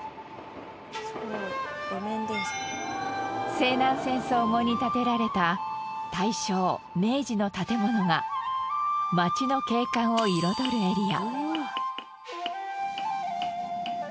西南戦争後に建てられた大正明治の建物が町の景観を彩るエリア。